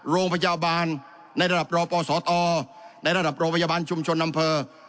โรงพยาบาลในระดับรอปศตในระดับโรงพยาบาลชุมชนอำเภอ